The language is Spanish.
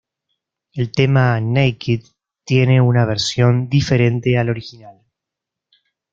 El tema "Naked" tiene una versión diferente a la original.